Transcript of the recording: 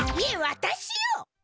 いえわたしよ！